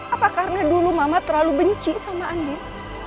apa karena dulu mama terlalu benci sama andin